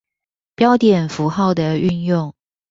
標點符號的運用